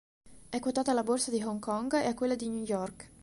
È quotata alla borsa di Hong Kong e a quella di New York.